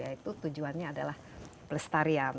yaitu tujuannya adalah pelestarian